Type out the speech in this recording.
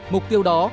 mục tiêu đó